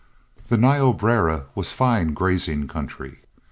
The Niobrara was a fine grazing country.